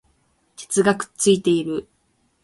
鉄がくっついている